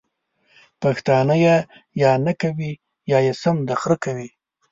پښتانه ېې یا نکوي یا يې سم د خره کوي!